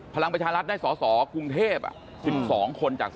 พลังประชารัฐได้สอสอกรุงเทพ๑๒คนจาก